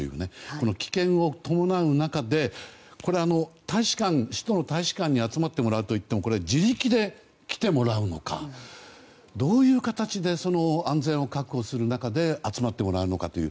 この危険を伴う中でこれは、首都の大使館に集まってもらうといっても自力で来てもらうのかどういう形で安全を確保する中で集まってもらうのかという。